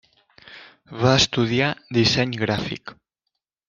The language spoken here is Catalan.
Va estudiar disseny gràfic.